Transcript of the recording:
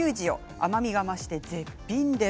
甘みが増して絶品です。